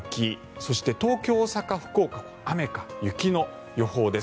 そして東京、大阪、福岡雨か雪の予報です。